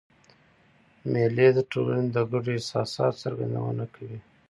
مېلې د ټولني د ګډو احساساتو څرګندونه کوي.